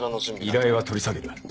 依頼は取り下げる。